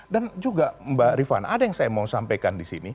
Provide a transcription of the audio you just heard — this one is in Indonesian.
dan juga mbak rifan ada yang saya mau sampaikan di sini